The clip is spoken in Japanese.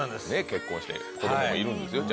結婚して子供もいるんですよ。